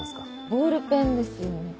ボールペンですよね